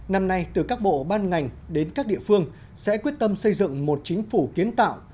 năm nay từ các bộ ban ngành đến các địa phương sẽ quyết tâm xây dựng một chính phủ kiến tạo